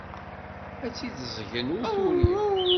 Ad tt-id-ẓẓgen ur turiw.